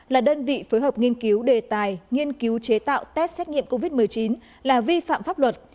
là đơn vị phối hợp nghiên cứu đề tài nghiên cứu chế tạo test xét nghiệm covid một mươi chín là vi phạm pháp luật